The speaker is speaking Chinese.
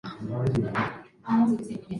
再给我十分钟，我这边快要完了。